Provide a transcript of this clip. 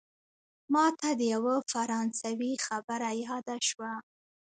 ماته د یوه فرانسوي خبره یاده شوه.